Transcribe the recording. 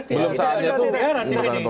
belum saatnya itu pembiayaan